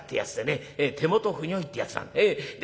手元不如意ってやつなんで。